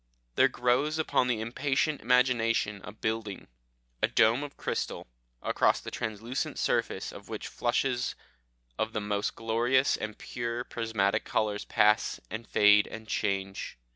"There grows upon the impatient imagination a building, a dome of crystal, across the translucent surface of which flushes of the most glorious and pure prismatic colours pass and fade and change.